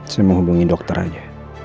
saya mau hubungi dokter aja